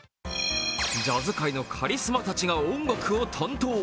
ジャズ界のカリスマたちが音楽を担当。